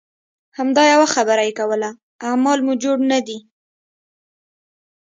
همدا یوه خبره یې کوله اعمال مو جوړ نه دي.